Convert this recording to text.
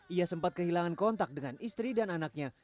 ia sempat kehilangan kontak dengan istri dan anaknya